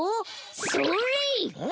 それ！